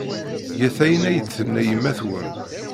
Get ayen ay d-tenna yemma-twen.